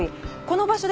この場所。